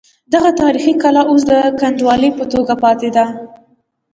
دغه تاریخي کلا اوس د کنډوالې په توګه پاتې ده.